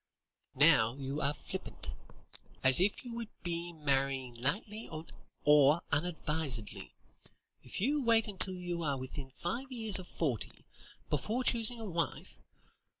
"Now, you are flippant. As if you would be marrying lightly or unadvisedly, if you wait until you are within five years of forty, before choosing a wife.